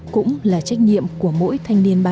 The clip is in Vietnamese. cũng là trách nhiệm của mỗi thanh niên ba